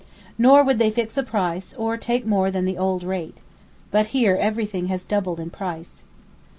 Nor would they fix a price, or take more than the old rate. But here everything has doubled in price.